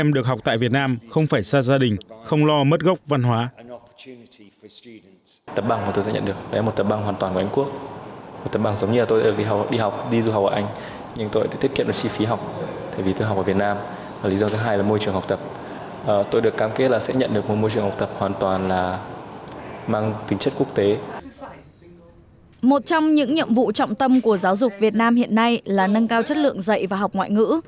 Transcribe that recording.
một trong những nhiệm vụ trọng tâm của giáo dục việt nam hiện nay là nâng cao chất lượng dạy và học ngoại ngữ